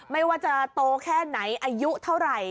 ไม่ว่าจะโตแค่ไหนอายุเท่าไหร่